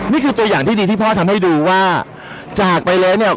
นี่คือตัวอย่างที่ดีที่พ่อทำให้ดูว่าจากไปแล้วเนี่ย